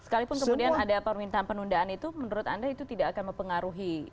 sekalipun kemudian ada permintaan penundaan itu menurut anda itu tidak akan mempengaruhi